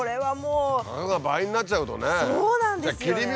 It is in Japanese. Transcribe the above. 価格が倍になっちゃうとね。